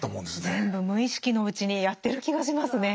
全部無意識のうちにやってる気がしますね。